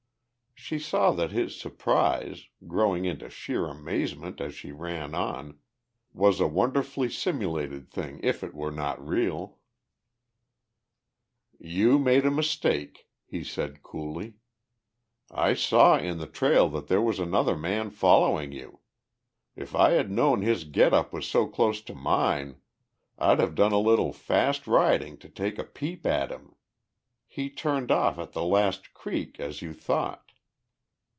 She saw that his surprise, growing into sheer amazement as she ran on, was a wonderfully simulated thing if it were not real. "You made a mistake," he said coolly. "I saw in the trail that there was another man following you. If I had known his get up was so close to mine, I'd have done a little fast riding to take a peep at him. He turned off at the last creek, as you thought."